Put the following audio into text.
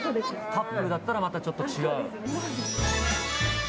カップルだったら、またちょっと違う。